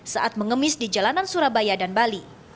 saat mengemis di jalanan surabaya dan bali